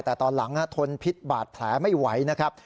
แต่ตอนหลังทนพิษบาดแผลไม่ไหวนะครับ